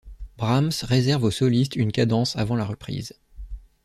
Brahms réserve au soliste une cadence avant la reprise.